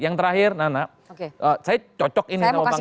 yang terakhir saya cocok ini sama bang jansen